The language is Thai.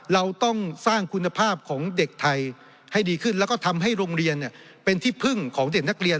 เราต้องสร้างคุณภาพของเด็กไทยให้ดีขึ้นแล้วก็ทำให้โรงเรียนเป็นที่พึ่งของเด็กนักเรียน